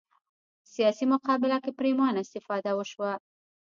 سیاسي مقابله کې پرېمانه استفاده وشوه